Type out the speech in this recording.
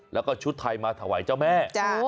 แล้วก็ชุดไทยมาถวายเจ้าแม่